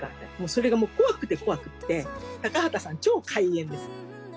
それがもう怖くて怖くて高畑さん、超怪演です。